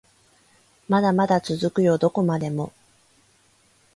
まだまだ続くよどこまでも